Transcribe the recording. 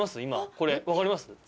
今これ分かります？